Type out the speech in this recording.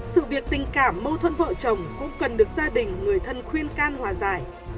sự việc tình cảm mâu thuẫn vợ chồng cũng cần được gia đình người thân khuyên can hòa giải